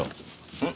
うん？